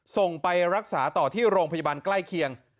ส่งไปรักษาต่อที่โรงพยาบาลใกล้เคียง